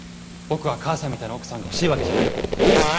僕は母さんみたいな奥さんが欲しいわけじゃない。